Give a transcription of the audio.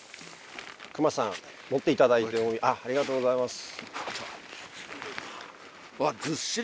隈さん持っていただいてありがとうございます。